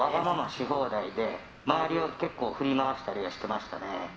し放題で周りを結構振り回したりはしてましたね。